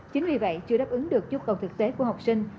chính vì vậy chưa đáp ứng được chút còn thực tế của học sinh